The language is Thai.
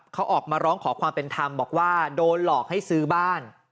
เขาออกมาร้องขอความเป็นธรรมบอกว่าโดนหลอกให้ซื้อบ้าน